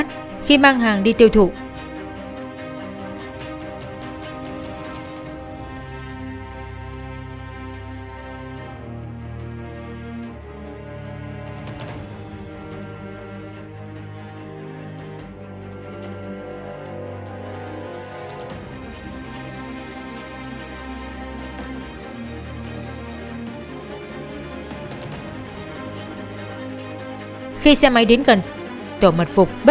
nhận vận chuyển thuê